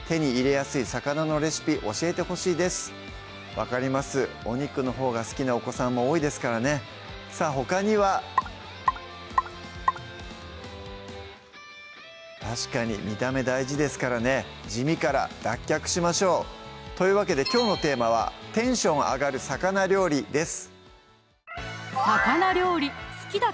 分かりますお肉のほうが好きなお子さんも多いですからねさぁほかには確かに見た目大事ですからね地味から脱却しましょうというわけできょうのテーマは「テンション上がる魚料理」です